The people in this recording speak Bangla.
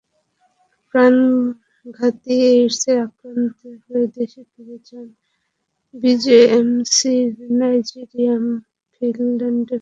প্রাণঘাতী এইডসে আক্রান্ত হয়ে দেশে ফিরে যান বিজেএমসির নাইজেরিয়ান মিডফিল্ডার আবদুল রশীদ।